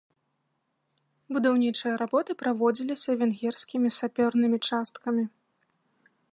Будаўнічыя работы праводзіліся венгерскімі сапёрнымі часткамі.